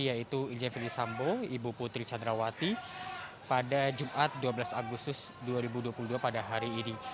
yaitu ijafri sambo ibu putri candrawati pada jumat dua belas agustus dua ribu dua puluh dua pada hari ini